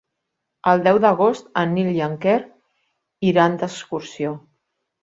El deu d'agost en Nil i en Quer iran d'excursió.